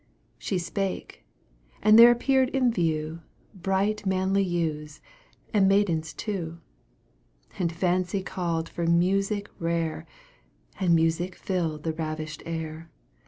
She spake and there appear'd in view, Bright manly youths, and maidens, too. And Fancy called for music rare And music filled the ravished air.